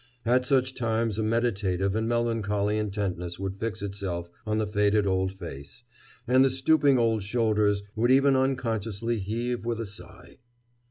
At such times a meditative and melancholy intentness would fix itself on the faded old face, and the stooping old shoulders would even unconsciously heave with a sigh.